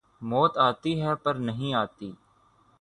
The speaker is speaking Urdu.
موت آتی ہے پر نہیں آتی